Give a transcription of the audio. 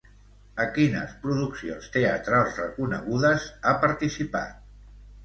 A quines produccions teatrals reconegudes ha participat?